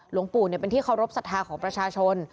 หลวงปู่เป็นที่เคารพสัทธาของประชาชน